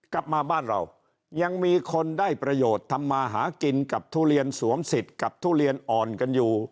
กลับมาบ้านเรายังมีคนได้ประโยชน์ทำมาหากินกับทุเรียนสวมสิทธิ์กับทุเรียนอ่อนกันอยู่